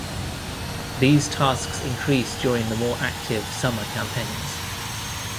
These tasks increase during the more active summer campaigns.